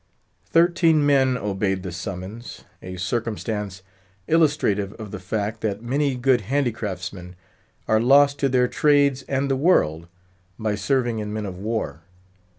Thirteen men obeyed the summons—a circumstance illustrative of the fact that many good handicrafts men are lost to their trades and the world by serving in men of war.